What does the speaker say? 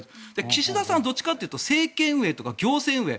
岸田さんはどっちかというと政権運営とか行政運営